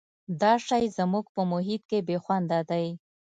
دا شی زموږ په محیط کې بې خونده دی.